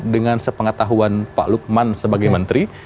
dengan sepengetahuan pak lukman sebagai menteri